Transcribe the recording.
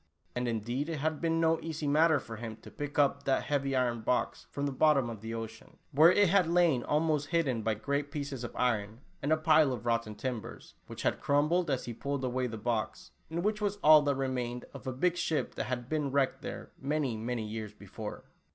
And indeed it had been no easy matter for him to pick up that heavy iron box from Tula Oolah. 43 the bottom of the ocean, where it had lain almost hidden by great pieces of iron, and a pile of rot ten timbers, which had crumbled as he pulled away the box, and which was all that remained of a bie ship that had been wTecked there many, many years before.